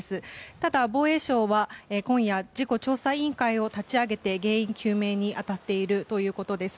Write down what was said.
ただ、防衛省は今夜事故調査委員会を立ち上げて原因究明に当たっているということです。